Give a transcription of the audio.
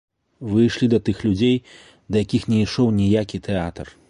Вы ішлі да тых людзей, да якіх не ішоў ніякі тэатр.